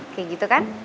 kayak gitu kan